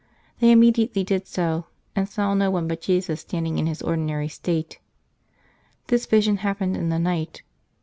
They immediately did so, and saw no one but Jesus standing in his ordinary state. This vision happened in the night.